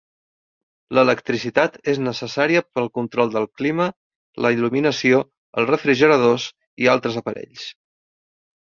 L'electricitat és necessària pel control el clima, la il·luminació, els refrigeradors i altres aparells.